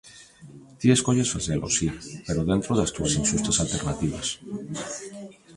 Ti escolles facelo, si, pero dentro das túas inxustas alternativas.